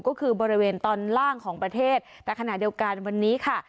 ก็คือบริเวณตอนล่างของประเทศแต่ขณะเดียวกันวันนี้ค่ะ